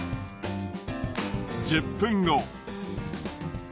１０分後。